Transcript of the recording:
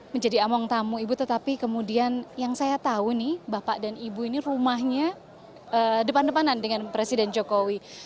menjadi among tamu ibu tetapi kemudian yang saya tahu nih bapak dan ibu ini rumahnya depan depanan dengan presiden jokowi